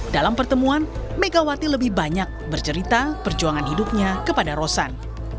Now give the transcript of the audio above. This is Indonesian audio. dalam pertemuan megawati lebih banyak bercerita perjuangan hidupnya kepada rosan